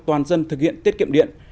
toàn dân thực hiện tiết kiệm điện